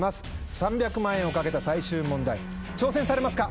３００万円を懸けた最終問題挑戦されますか？